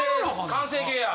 完成形や。